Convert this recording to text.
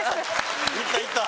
いったいった！